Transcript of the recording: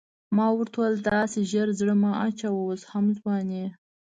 ما ورته وویل داسې ژر زړه مه اچوه اوس هم ځوان یې.